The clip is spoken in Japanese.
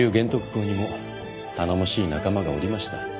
公にも頼もしい仲間がおりました。